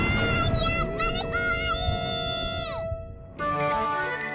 やっぱりこわい！